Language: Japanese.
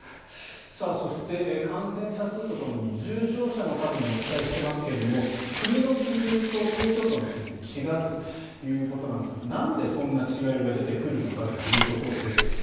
そして、感染者数とともに重症者の数もお伝えしていますが国の基準と東京都の基準が違うということなんですがなんでそんな違いが出てくるのかというところです。